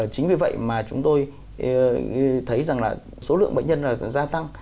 chính vì vậy mà chúng tôi thấy rằng số lượng bệnh nhân là gia tăng